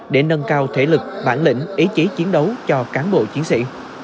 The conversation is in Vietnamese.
để nâng cao thể lực bản lĩnh ý chí chiến đấu cho cán bộ chiến sĩ